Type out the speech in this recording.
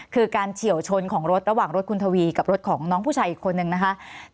คือการเฉียวชนของรถระหว่างรถคุณทวีกับรถของน้องผู้ชายอีกคนนึงนะคะ